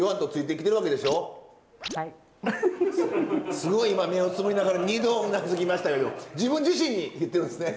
すごい今目をつむりながら２度うなずきましたけど自分自身に言ってるんですね。